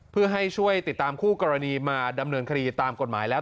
เพื่อให้ช่วยติดตามคู่กรณีมาดำเนินคดีตามกฎหมายแล้ว